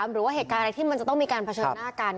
หรือว่าเหตุการณ์อะไรที่มันจะต้องมีการเผชิญหน้ากัน